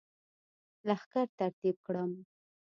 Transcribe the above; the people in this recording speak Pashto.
لښکر ترتیب کړم.